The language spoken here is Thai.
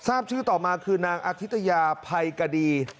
ทราบชื่อต่อมาคือนางอธิตยาภัยกดี